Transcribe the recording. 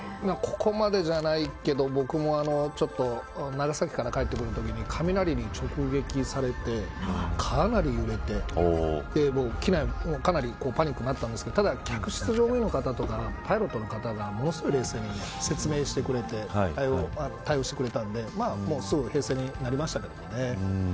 ここまでじゃないけど、僕も長崎から帰ってくるときに雷に直撃されてかなり揺れて機内もかなりパニックでしたがただ、客室乗務員の方とかパイロットの方がものすごい冷静に説明してくれて対応してくれたので平静になりました。